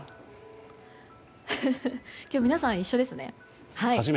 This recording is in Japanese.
今日、皆さん一緒ですね。